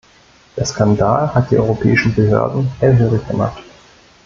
Der Skandal hat die europäischen Behörden hellhörig gemacht.